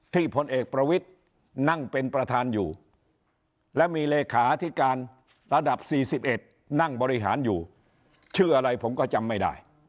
พลเอกประวิทย์นั่งเป็นประธานอยู่และมีเลขาธิการระดับ๔๑นั่งบริหารอยู่ชื่ออะไรผมก็จำไม่ได้